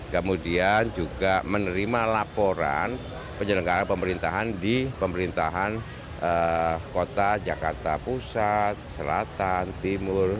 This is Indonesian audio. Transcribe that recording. kemudian juga menerima laporan penyelenggaraan pemerintahan di pemerintahan kota jakarta pusat selatan timur